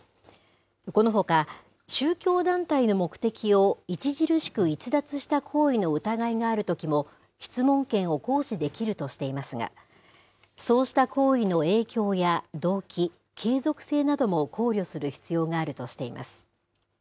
このほか、宗教団体の目的を著しく逸脱した行為の疑いがあるときも、質問権を行使できるとしていますが、そうした行為の影響や動機、継続性なども考慮する必要があるとしています。